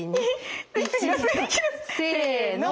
せの！